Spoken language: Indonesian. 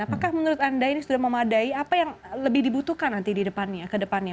apakah menurut anda ini sudah memadai apa yang lebih dibutuhkan nanti di depannya ke depannya